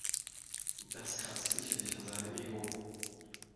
Das kratzt sicherlich an seinem Ego.